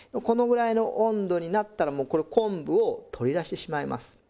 このぐらいの温度になったらもうこれ昆布を取り出してしまいます。